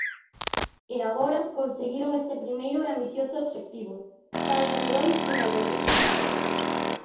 E agora, conseguiron este primeiro e ambicioso obxectivo: xa hai Android en galego.